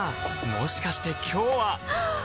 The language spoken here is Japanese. もしかして今日ははっ！